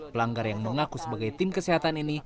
pelanggar yang mengaku sebagai tim kesehatan ini